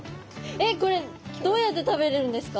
えっこれどうやって食べるんですか？